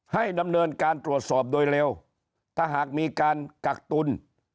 ให้ดำเนินการตรวจสอบโดยเร็วถ้าหากมีการกักตุล